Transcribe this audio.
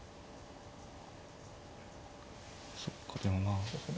そっかでもまあ。